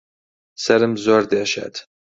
سەرم زۆر دێشێت